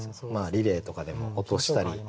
リレーとかでも落としたり。